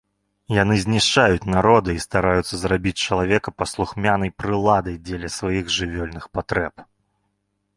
Яны знішчаюць народы і стараюцца зрабіць чалавека паслухмянай прыладай дзеля сваіх жывёльных патрэб.